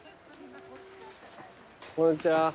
こんにちは。